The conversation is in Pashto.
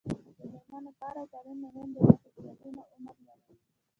د میرمنو کار او تعلیم مهم دی ځکه چې ودونو عمر لوړوي.